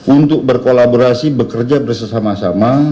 untuk berkolaborasi bekerja bersama sama